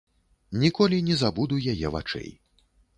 Ніколі не забуду яе вачэй.